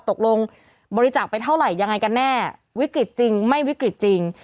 ตกลงบริจาคไปเท่าไหร่ยังไงกันแน่วิกฤตจริงไม่วิกฤตจริง